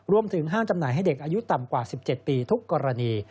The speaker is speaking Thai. รวมถึงห้ามจำหน่ายให้เด็กอายุต่ำกว่า๑๗ปีทุกกรณี